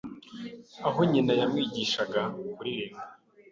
aho nyina yamwigishaga kuririmba